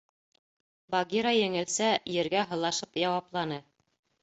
— Багира еңелсә ергә һылашып яуапланы.